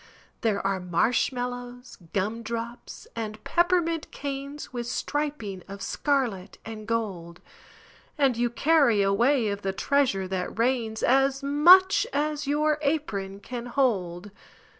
There are marshmallows, gumdrops, and peppermint canes With striping of scarlet and gold, And you carry away of the treasure that rains, As much as your apron can hold!